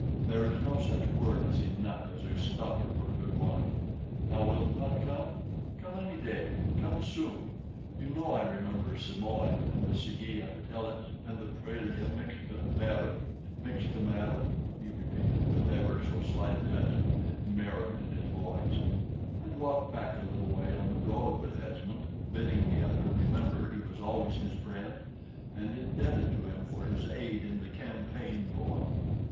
There is no such word as enough as a stopper for good wine. Thou wilt not come? Come any day, come soon. You know I remember Simois and the Sigeia tellus, and the praelia mixta mero, mixta mero," he repeated, with ever so slight a touch of merum in his voice, and walked back a little way on the road with Esmond, bidding the other remember he was always his friend, and indebted to him for his aid in the "Campaign" poem.